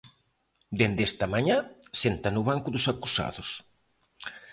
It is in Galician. Dende esta mañá senta no banco dos acusados.